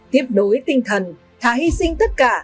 tiếp nối tinh thần thả hy sinh tất cả